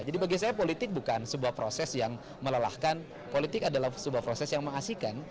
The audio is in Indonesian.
jadi bagi saya politik bukan sebuah proses yang melelahkan politik adalah sebuah proses yang mengasihkan